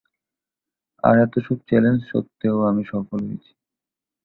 আর এতসব চ্যালেঞ্জ সত্ত্বেও আমি সফল হয়েছি।